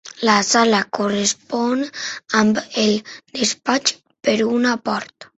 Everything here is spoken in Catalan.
La sala correspon amb el despatx per una porta.